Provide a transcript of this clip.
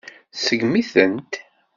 Tseggem-itent.